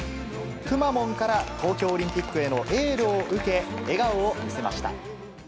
くまモンから東京オリンピックへのエールを受け、笑顔を見せました。